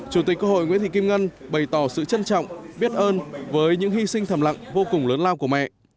chủ tịch quốc hội nguyễn thị kim ngân bày tỏ sự trân trọng biết ơn với những hy sinh thầm lặng vô cùng lớn lao của mẹ